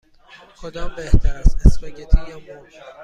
کدام بهتر است: اسپاگتی یا مرغ؟